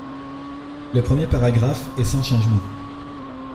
: Le premier paragraphe est sans changement.